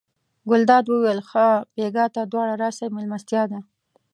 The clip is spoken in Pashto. ګلداد وویل ښه بېګا ته دواړه راسئ مېلمستیا ده.